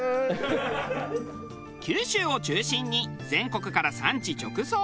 九州を中心に全国から産地直送。